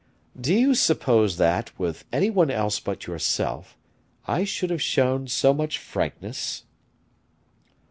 "Do you suppose that, with any one else but yourself, I should have shown so much frankness?"